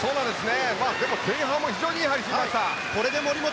でも、前半も非常にいい入りをしました。